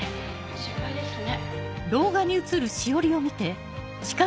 心配ですね。